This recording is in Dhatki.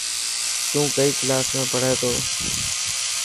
تون ڪئي ڪلاس ۾ پڙهي ٿو.